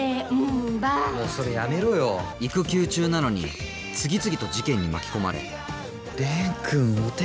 それ、やめろよ、育休中なのに次々と事件に巻き込まれ。